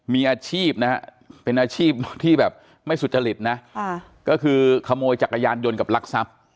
มีอาชีพนะฮะเป็นอาชีพที่แบบไม่สุจริตนะก็คือขโมยจักรยานยนต์กับลักทรัพย์